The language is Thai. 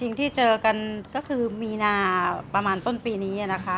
จริงที่เจอกันก็คือมีนาประมาณต้นปีนี้นะคะ